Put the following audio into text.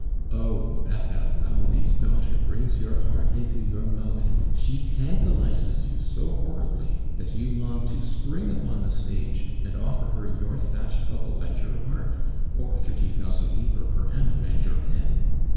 Oh! that Alcalde's daughter brings your heart into your mouth; she tantalizes you so horribly, that you long to spring upon the stage and offer her your thatched hovel and your heart, or thirty thousand livres per annum and your pen.